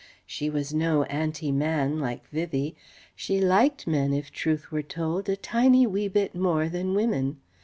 She was no "anti man," like Vivie. She liked men, if truth were told, a tiny wee bit more than women.